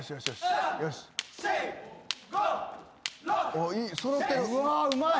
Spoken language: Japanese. おっいい。